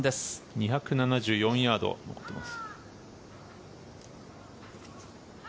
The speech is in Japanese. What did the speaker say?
２７４ヤード残っています。